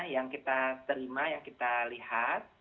yang kita terima yang kita lihat